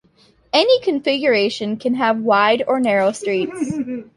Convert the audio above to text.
Any configuration can have wide or narrow streets.